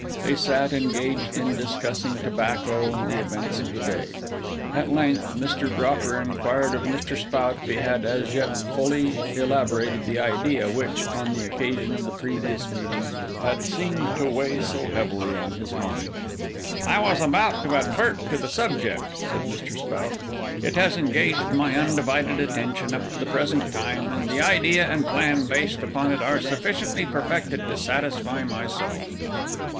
They sat, engaged in discussing tobacco and the events of the day. At length, Mr. Dropper inquired of Mr. Spout if he had as yet fully elaborated the idea which, on the occasion of the previous meeting, had seemed to weigh so heavily on his mind? "I was about to advert to the subject," said Mr. Spout. "It has engaged my undivided attention up to the present time, and the idea and plan based upon it are sufficiently perfected to satisfy myself."